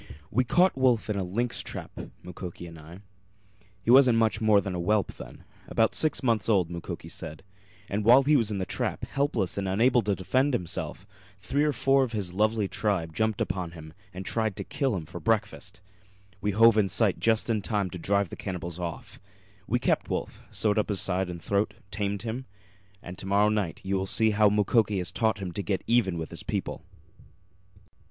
We caught Wolf in a lynx trap, Mukoki and I. He wasn't much more than a whelp then about six months old, Mukoki said. And while he was in the trap, helpless and unable to defend himself, three or four of his lovely tribe jumped upon him and tried to kill him for breakfast. We hove in sight just in time to drive the cannibals off. We kept Wolf, sewed up his side and throat, tamed him and to morrow night you will see how Mukoki has taught him to get even with his people."